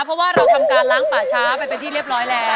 เพราะว่าเราทำการล้างป่าช้าไปเป็นที่เรียบร้อยแล้ว